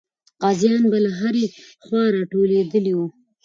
غازیان به له هرې خوا راټولېدلې وو.